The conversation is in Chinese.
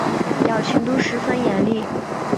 表情都十分严厉